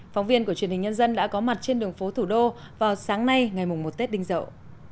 phóng viên của truyền hình nhân dân đã có mặt trên đường phố thủ đô vào sáng nay ngày một tết đinh dậu